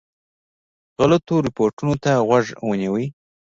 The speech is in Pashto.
غلطو رپوټونو ته غوږ ونیوی.